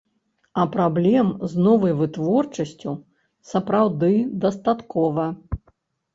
А праблем з новай вытворчасцю, сапраўды, дастаткова.